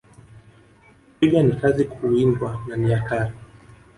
Twiga ni kazi kuwindwa na ni hatari